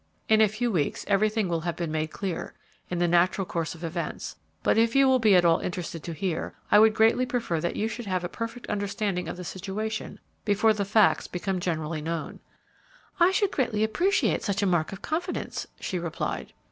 In a few weeks everything will have been made clear, in the natural course of events; but, if you would be at all interested to hear, I would greatly prefer that you should have a perfect understanding of the situation before the facts become generally known." "I should greatly appreciate such a mark of confidence," she replied.